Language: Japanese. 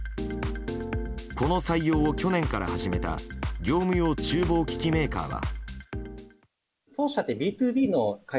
この採用を去年から始めた業務用厨房機器メーカーは。